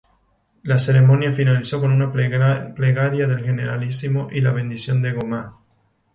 La ceremonia finalizó con una plegaria del Generalísimo y la bendición de Gomá.